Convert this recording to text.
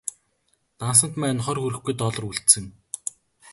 Дансанд маань хорь хүрэхгүй доллар үлдсэн.